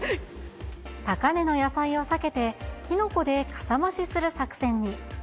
高値の野菜を避けて、キノコでかさ増しする作戦に。